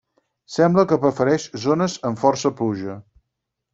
Sembla que prefereix zones amb força pluja.